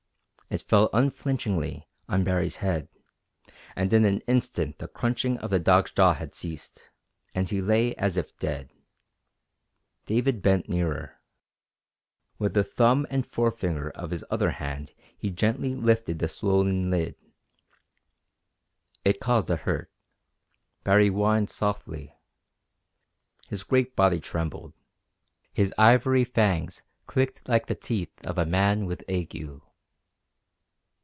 It fell unflinchingly on Baree's head, and in an instant the crunching of the dog's jaw had ceased, and he lay as if dead. David bent nearer. With the thumb and forefinger of his other hand he gently lifted the swollen lid. It caused a hurt. Baree whined softly. His great body trembled. His ivory fangs clicked like the teeth of a man with ague.